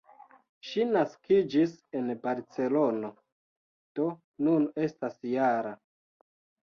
Ŝi naskiĝis en Barcelono, do nun estas -jara.